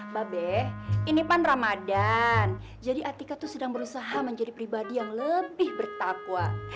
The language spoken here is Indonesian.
mbak be ini pan ramadan jadi atika itu sedang berusaha menjadi pribadi yang lebih bertakwa